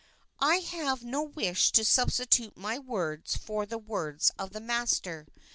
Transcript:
I have no wish to substitute my words for the words of the Master.